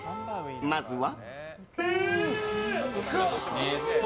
まずは。